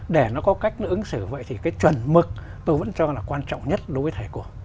để nó có cách ứng xử vậy thì cái chuẩn mực tôi vẫn cho là quan trọng nhất đối với thầy của